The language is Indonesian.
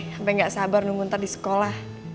sampai gak sabar nunggu ntar di sekolah